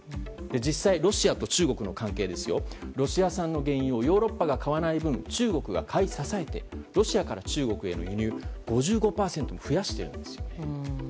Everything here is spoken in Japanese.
実際、ロシアと中国の関係はロシア産の原油をヨーロッパが買わない分、中国が買い支えてロシアから中国への輸入を５５％増やしてるんです。